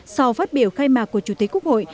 sau phát biểu khai mạc của chủ tịch quốc hội